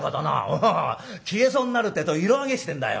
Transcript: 「おう消えそうになるってえと色揚げしてんだよ」。